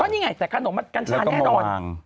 นี่ไงแต่ขนมมันกัญชาแน่นอน